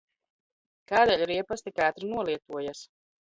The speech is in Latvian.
Kādēļ riepas tik ātri nolietojas?